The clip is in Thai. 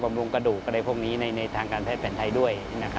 รุงกระดูกอะไรพวกนี้ในทางการแพทย์แผนไทยด้วย